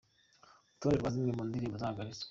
Urutonde rwa zimwe mu ndirimbo zahagaritswe:.